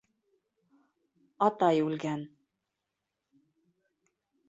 «Атай үлгән...»